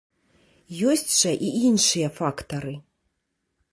Ёсць жа і іншыя фактары.